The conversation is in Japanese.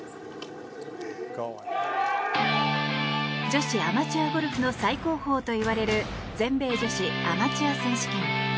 女子アマチュアゴルフの最高峰といわれる全米女子アマチュア選手権。